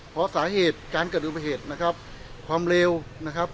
เพราะสาเหตุการเกิดอุบัติเหตุนะครับความเร็วนะครับ